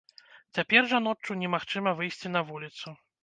Цяпер жа ноччу немагчыма выйсці на вуліцу.